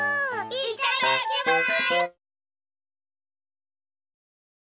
いっただっきます！